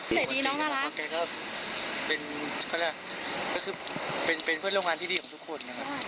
เป็นเพื่อนโรงงานที่ดีของทุกคน